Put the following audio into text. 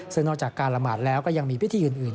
ซึ่งนอกจากการละหมาดแล้วก็ยังมีพิธีอื่น